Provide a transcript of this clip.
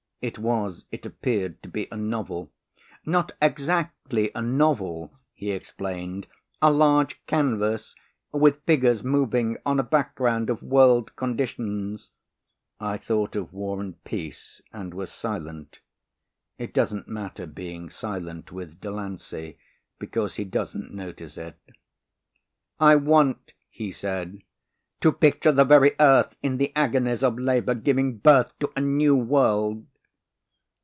It was, it appeared, to be a novel. "Not exactly a novel," he explained, "a large canvas with figures moving on a back ground of world conditions." I thought of "War and Peace" and was silent. It doesn't matter being silent with Delancey because he doesn't notice it. "I want," he said, "to picture the very earth in the agonies of labour giving birth to a new world."